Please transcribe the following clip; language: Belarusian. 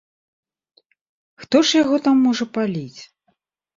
Хто ж яго там можа паліць?